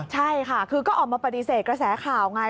ใช่ค่ะคือก็ออกมาปฏิเสธกระแสข่าวไง